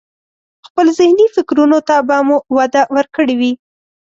خپل ذهني فکرونو ته به مو وده ورکړي وي.